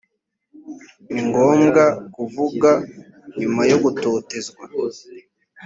ni ngombwa kuvuga nyuma yo gutotezwa.